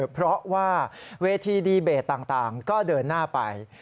เพราะว่าเวทีดีเบตต่างก็เดินหน้าไป